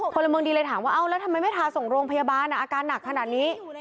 พลเมืองดีเลยถามว่าเอ้าแล้วทำไมไม่พาส่งโรงพยาบาลอาการหนักขนาดนี้